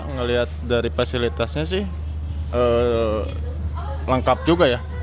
ngelihat dari fasilitasnya sih lengkap juga ya